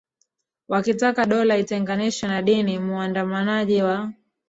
wakitaka dola itenganishwe na dini Muandamanaji wa